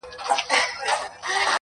نو ستا د لوړ قامت، کوچنی تشبه ساز نه يم,